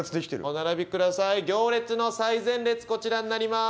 行列の最前列こちらになります。